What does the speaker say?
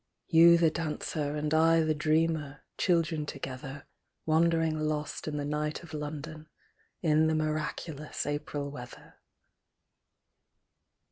You the dancer and I the dreamer, Children together. Wandering lost in the night of London, In the miraculous April weather.